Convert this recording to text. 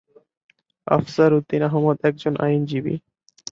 আফসার উদ্দিন আহমদ একজন আইনজীবী।